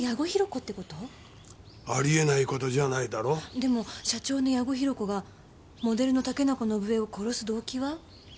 でも社長の矢後弘子がモデルの竹中伸枝を殺す動機は？